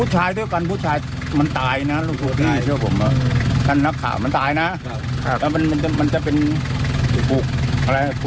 จะถือเป็นศัตรูนะเมียจีนเมียไม่เป็นไร